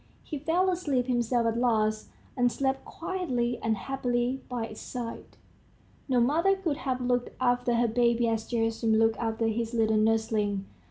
He fell asleep himself at last, and slept quietly and happily by its side. No mother could have looked after her baby as Gerasim looked after his little nursling.